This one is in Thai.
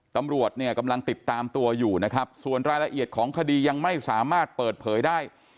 ตำรวจเนี่ยกำลังติดตามตัวอยู่นะครับส่วนรายละเอียดของคดียังไม่สามารถเปิดเผยได้